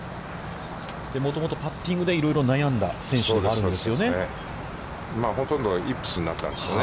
もともとパッティングでいろいろ悩んだ選手でもあるんですよね。